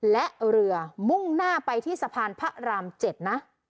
และเรือมุ่งหน้าไปที่สะพานพระราม๗นะ